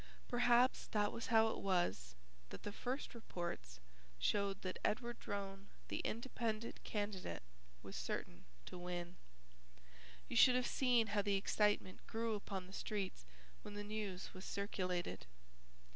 Perhaps that was how it was that the first reports showed that Edward Drone the Independent candidate was certain to win. You should have seen how the excitement grew upon the streets when the news was circulated.